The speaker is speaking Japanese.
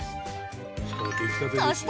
そして！